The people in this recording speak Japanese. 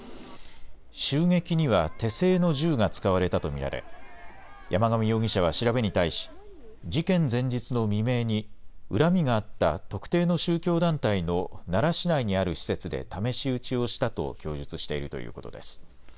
襲撃には手製の銃が使われたと見られ、山上容疑者は調べに対し事件前日の未明に、恨みがあった特定の宗教団体の奈良市内にある施設で試し撃ちをしたと供述しているということです。